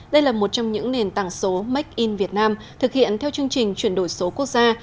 đây là một trong những nền tảng số make in việt nam thực hiện theo chương trình chuyển đổi số quốc gia